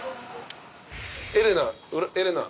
エレナ？